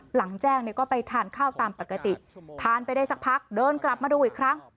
หลังแจ้งเนี่ยก็ไปทานข้าวตามปกติทานไปได้สักพักเดินกลับมาดูอีกครั้ง